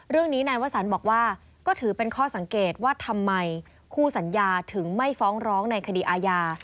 เรื่องนี้นายวสันบอกว่าก็ถือเป็นข้อสังเกตว่าทำไมคู่สัญญาถึงไม่ฟ้องร้องในคดีอาญา